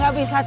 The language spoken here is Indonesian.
ya udah kang